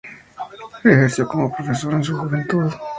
Ejerció como profesor en su juventud.